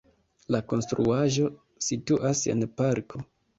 La konstruaĵo situas en parko.